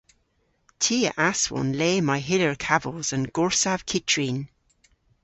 Ty a aswon le may hyllir kavos an gorsav kyttrin.